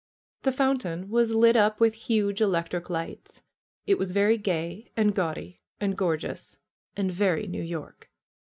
The fountain was lit up with hidden elec tric lights. It was very gay and gaudy and gorgeous, and very New York.